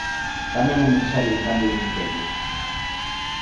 Tamén é necesario un cambio de criterios.